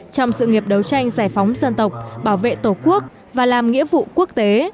trong sự nghiệp đấu tranh giải phóng dân tộc bảo vệ tổ quốc và làm nghĩa vụ quốc tế